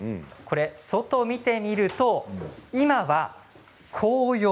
外を見てみると今は紅葉。